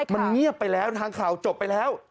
มันเงียบไปแล้วทางข่าวจบไปแล้ว